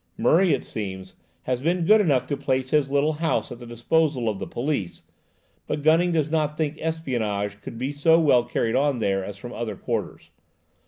Murray, it seems has been good enough to place his little house at the disposal of the police, but Gunning does not think espionage could be so well carried on there as from other quarters.